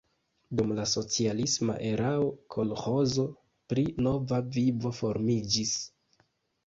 Dum la socialisma erao kolĥozo pri Nova Vivo formiĝis.